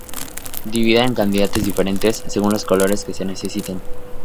Dividida en cantidades diferentes, según los colores que se necesiten.